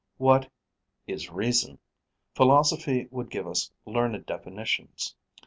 What is reason? Philosophy would give us learned definitions.